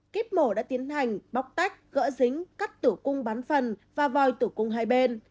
kíp mổ đã tiến hành bóc tách gỡ dính cắt tủ cung bán phần và vòi tử cung hai bên